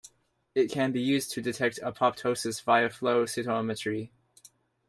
It can be used to detect apoptosis via flow cytometry.